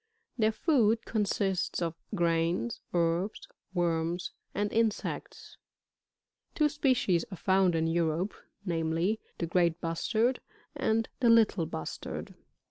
Their food consists of grains, herbs, worms and insects. Two species are found in Europe, namely ; the great Bustard, and the Little Bustard.